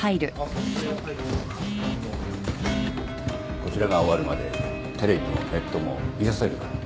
こちらが終わるまでテレビもネットも見させるな。